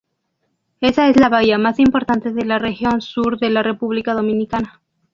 Esa es la bahía más importante de la región sur de la República Dominicana